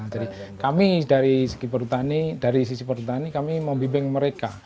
jadi kami dari segi perhutani dari sisi perhutani kami membimbing mereka